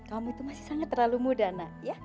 kamu itu masih sangat terlalu muda nak